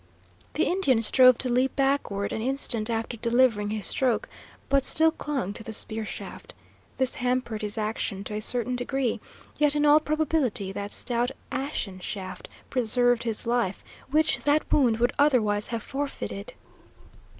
The Indian strove to leap backward an instant after delivering his stroke, but still clung to the spear shaft. This hampered his action to a certain degree, yet in all probability that stout ashen shaft preserved his life, which that wound would otherwise have forfeited.